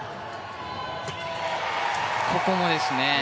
ここもですね。